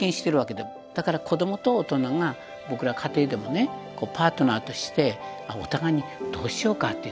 だから子どもと大人が僕ら家庭でもねこうパートナーとしてお互いにどうしようかっていう。